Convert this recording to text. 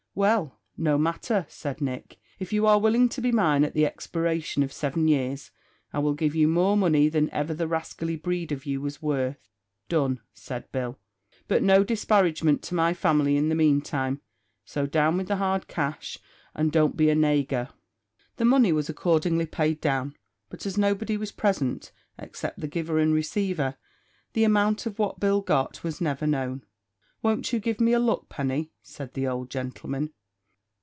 "Well, no matter," said Nick. "If you are willing to be mine at the expiration of seven years, I will give you more money than ever the rascally breed of you was worth." "Done!" said Bill; "but no disparagement to my family, in the meantime; so down with the hard cash, and don't be a neger." The money was accordingly paid down! but as nobody was present, except the giver and receiver, the amount of what Bill got was never known. "Won't you give me a luck penny?" said the old gentleman.